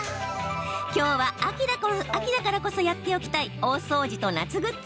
きょうは秋だからこそやっておきたい大掃除と夏グッズ